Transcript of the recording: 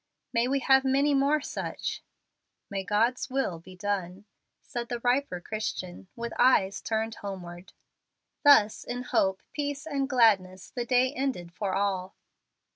May we have many more such." "May God's will be done," said the riper Christian, with eyes turned homeward. Thus in hope, peace, and gladness the day ended for all.